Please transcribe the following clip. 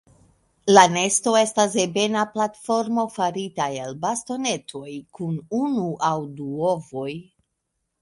La nesto estas ebena platformo farita el bastonetoj, kun unu aŭ du ovoj.